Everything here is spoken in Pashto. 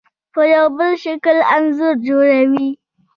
په یو بل شکل انځور جوړوي.